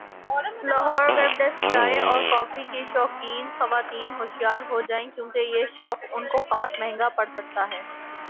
Lahore web desk چائے اور coffee کی شوقین خواتین ہوشیار ہوجائیں کیونکہ یہ شوق ان کو خاص مہنگا پڑ سکتا ہے